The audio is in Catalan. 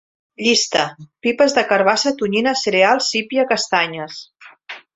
Llista: pipes de carabassa, tonyina, cereals, sípia, castanyes